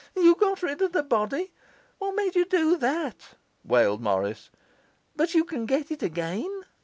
'You got rid of the body? What made you do that?' walled Morris. 'But you can get it again?